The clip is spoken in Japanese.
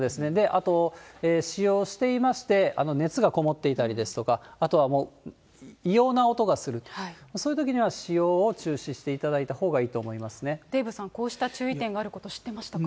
あと、使用していまして、熱がこもっていたりですとか、あとはもう、異様な音がする、そういうときには使用を中止していただいたほうデーブさん、こうした注意点があること知ってましたか？